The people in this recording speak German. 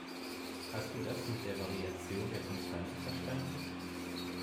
Hast du das mit der Variation der Konstanten verstanden?